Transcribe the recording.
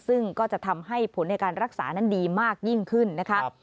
ซึ่งก็จะทำให้ผลในการรักษานั้นดีมากยิ่งขึ้นนะคะ